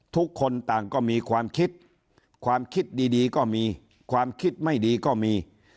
ทุกคนต่างก็มีความคิดความคิดดีก็มีความคิดไม่ดีก็มี